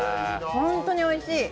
本当においしい。